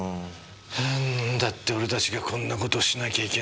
なんだって俺たちがこんな事しなきゃいけねぇんだ。